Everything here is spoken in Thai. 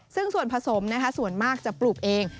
ซึ่งส่วนผสมส่วนมากจะปลูกเอง